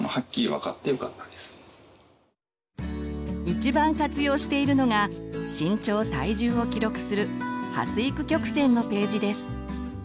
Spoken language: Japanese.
一番活用しているのが身長体重を記録する発育曲線のページです。